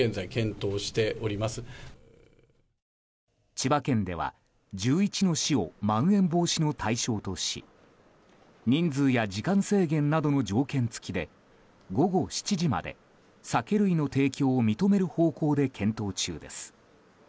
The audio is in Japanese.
千葉県では１１の市をまん延防止の対象とし人数や時間制限などの条件付きで午後７時まで酒類の提供を認める方向で検討中です。